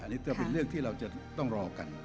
อันนี้ก็เป็นเรื่องที่เราจะต้องรอกัน